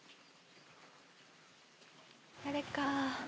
誰か。